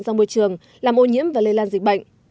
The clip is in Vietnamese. ra môi trường làm ô nhiễm và lây lan dịch bệnh